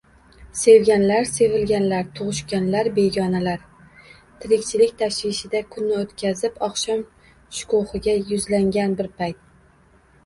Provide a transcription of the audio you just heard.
Sevganlar-sevilganlar, tugʻishganlar-begonalar tirikchilik tashvishida kunni oʻtkazib, oqshom shukuhiga yuzlangan bir payt.